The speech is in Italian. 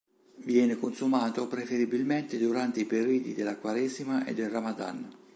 Viene consumato preferibilmente durante i periodi della Quaresima e del Ramadan.